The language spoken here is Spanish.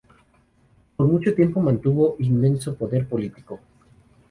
Por mucho tiempo mantuvo inmenso poder político.